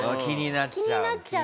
気になっちゃう。